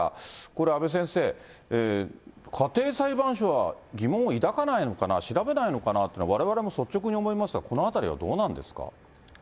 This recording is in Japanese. これ、阿部先生、家庭裁判所は疑問を抱かないのかな、調べないのかなって、われわれも率直に思いますが、このあたりはどうなんですか。